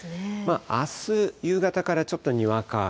あす夕方からちょっとにわか雨。